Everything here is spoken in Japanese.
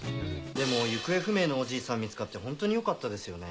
でも行方不明のおじいさん見つかってホントによかったですよね。